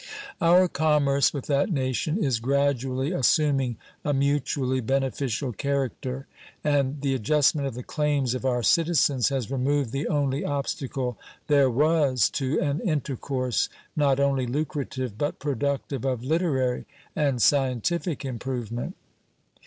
Our commerce with that nation is gradually assuming a mutually beneficial character, and the adjustment of the claims of our citizens has removed the only obstacle there was to an intercourse not only lucrative, but productive of literary and scientific improvement.